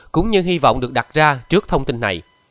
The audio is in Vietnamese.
cũng như hy vọng được đặt ra trước thông tin này